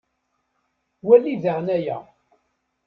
Wali daɣen aya.